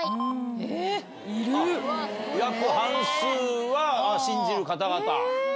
約半数は信じる方々。